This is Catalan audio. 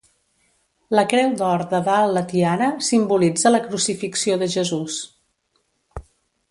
La creu d'or de dalt la tiara simbolitza la crucifixió de Jesús.